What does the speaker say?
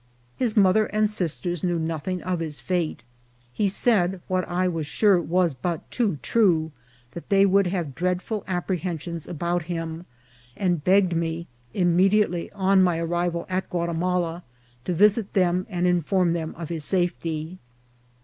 His mother and sisters knew nothing of his fate. He said, what I was sure was but too true, that they would have dread ful apprehensions about him, and begged me, imme diately on my arrival at Guatimala, to visit them and inform them of his safety.